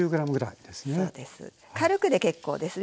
軽くで結構です。